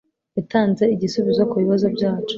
Yatanze igisubizo kubibazo byacu.